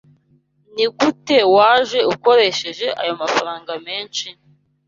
Nigute waje ukoresheje ayo mafaranga menshi?